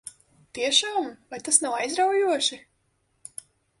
Tiešām? Vai tas nav aizraujoši?